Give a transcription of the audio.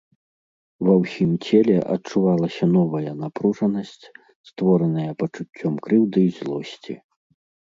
Ва ўсім целе адчувалася новая напружанасць, створаная пачуццём крыўды і злосці.